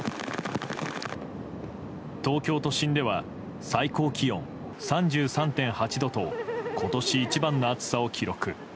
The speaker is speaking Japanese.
東京都心では最高気温３３．８度と今年一番の暑さを記録。